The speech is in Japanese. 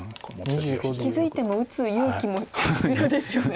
気付いても打つ勇気も必要ですよね。